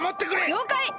りょうかい！